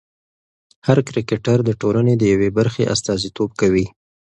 هر کرکټر د ټولنې د یوې برخې استازیتوب کوي.